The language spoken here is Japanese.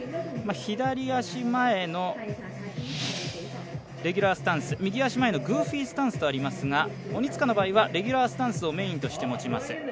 左足前のレギュラースタンス右足前のグーフィースタンスとありますが鬼塚の場合はレギュラースタンスをメインとして持ちます。